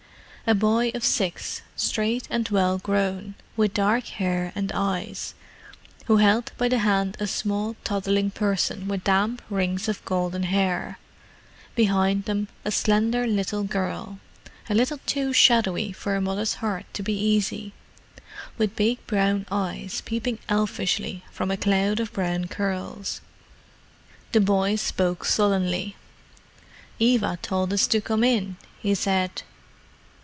A boy of six, straight and well grown, with dark hair and eyes, who held by the hand a small toddling person with damp rings of golden hair: behind them a slender little girl, a little too shadowy for a mother's heart to be easy; with big brown eyes peeping elfishly from a cloud of brown curls. The boy spoke sullenly. "Eva told us to come in," he said.